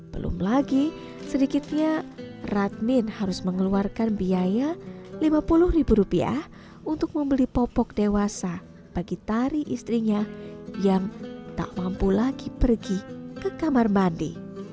belum lagi sedikitnya radmin harus mengeluarkan biaya lima puluh ribu rupiah untuk membeli popok dewasa bagi tari istrinya yang tak mampu lagi pergi ke kamar mandi